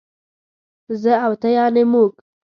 زه او ته يعنې موږ